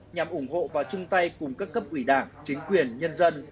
nhằm ủng hộ và chung tay cùng các cấp ủy đảng chính quyền nhân dân